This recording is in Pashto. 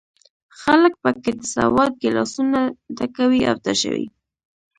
خلک په کې د سودا ګیلاسونه ډکوي او تشوي.